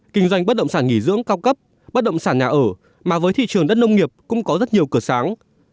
kinh doanh bất động sản nghỉ dưỡng cao cấp bất động sản nhà ở mà với thị trường đất nông nghiệp cũng có rất nhiều cửa sáng